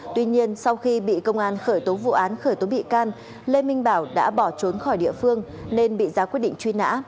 tuy nhiên sau khi bị công an khởi tố vụ án khởi tố bị can lê minh bảo đã bỏ trốn khỏi địa phương nên bị ra quyết định truy nã